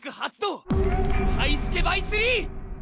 腐敗スケバイ−３！